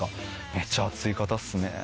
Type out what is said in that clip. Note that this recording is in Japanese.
めっちゃ熱い方っすね。